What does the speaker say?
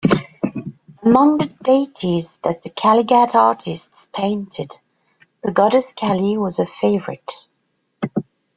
Among the deities that the Kalighat artists painted, the goddess Kali was a favorite.